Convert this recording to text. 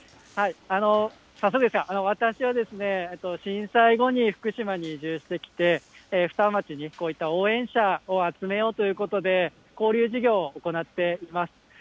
早速ですが、私はですね、震災後に福島に移住してきて、双葉町にこういった応援者を集めようということで、交流事業を行っています。